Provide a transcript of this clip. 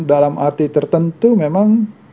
dalam arti tertentu memang